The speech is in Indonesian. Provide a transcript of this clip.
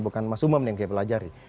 bukan mas umam yang mempelajari